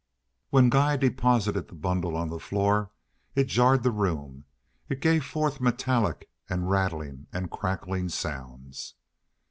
When Guy deposited the bundle on the floor it jarred the room. It gave forth metallic and rattling and crackling sounds.